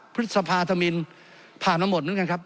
พฤษภาธมิณฑ์ผ่านทั้งหมดนั้นกันครับ